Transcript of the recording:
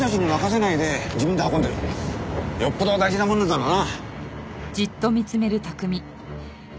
よっぽど大事なものなんだろうな。